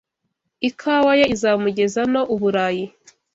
ikawa ye izamugeza no uburayi